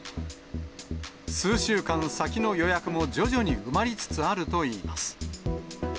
数週間先の予約も徐々に埋まりつつあるといいます。